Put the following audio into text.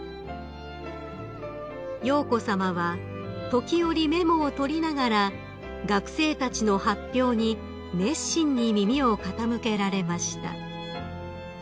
［瑶子さまは時折メモを取りながら学生たちの発表に熱心に耳を傾けられました］